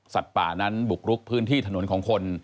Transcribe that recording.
ป่านั้นบุกรุกพื้นที่ถนนของคน